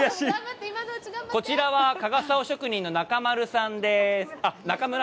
こちらは加賀竿職人の中村さんです。